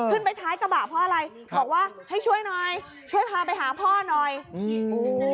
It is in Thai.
ท้ายกระบะเพราะอะไรบอกว่าให้ช่วยหน่อยช่วยพาไปหาพ่อหน่อยอืม